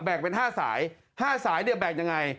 แบ่งเป็นห้าสายห้าสายเนี่ยแบ่งยังไง